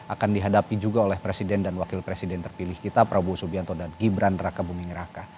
akan dihadapi juga oleh presiden dan wakil presiden terpilih kita prabowo subianto dan gibran raka buming raka